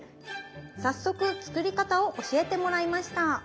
早速作り方を教えてもらいました。